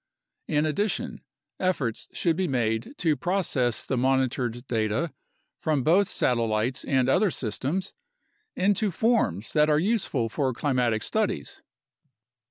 In addition, efforts should be made to process the monitored data from both satel lites and other systems into forms that are useful for climatic studies.